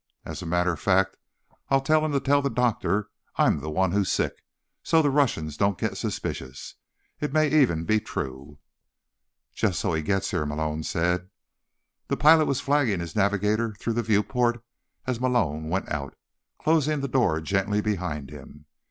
"As a matter of fact, I'll tell him to tell the doctor I'm the one who's sick, so the Russians don't get suspicious. It may even be true." "Just so he gets here," Malone said. The pilot was flagging his navigator through the viewport as Malone went out, closing the door gently behind him.